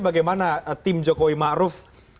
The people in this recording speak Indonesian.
bagaimana tim jokowi ma'ruf